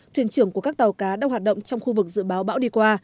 thuyền trưởng của các tàu cá đang hoạt động trong khu vực dự báo bão đi qua